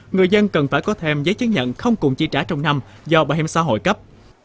người dân cần phải có thêm giấy chứng nhận không cùng chi trả trong năm do bảo hiểm xã hội cấp